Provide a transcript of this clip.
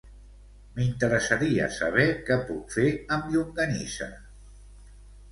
M'interessaria saber què puc fer amb llonganissa.